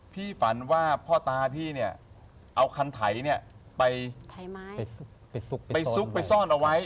ฝันว่าพ่อตาพี่เนี่ยเอาคันไถเนี่ยไปซุกไปซ่อนเอาไว้